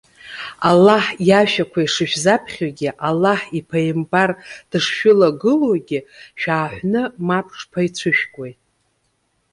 Аллаҳ иажәақәа ишышәзаԥхьогьы, Аллаҳ иԥааимбар дышшәылагылоугьы, шәааҳәны мап шԥаицәышәкуеи?